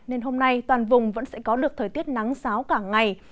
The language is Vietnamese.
nên hôm nay toàn vùng vẫn sẽ có được thời tiết nắng sáo cả ngày